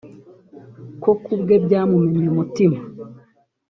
ko ku bwe byamumennye umutima